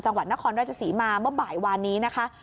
จังหวัดนครราชศรีมาเมื่อบ่ายวานนี้นะคะ